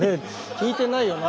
引いてないよな？